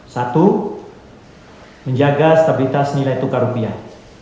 satu menjaga stabilitas nilai tukar rupiah